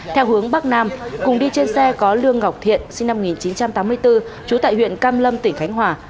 theo hướng bắc nam cùng đi trên xe có lương ngọc thiện sinh năm một nghìn chín trăm tám mươi bốn trú tại huyện cam lâm tỉnh khánh hòa